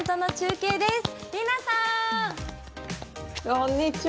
こんにちは！